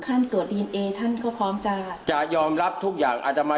ขั้นตรวจดีเอท่านก็พร้อมจะจะยอมรับทุกอย่างอาตามา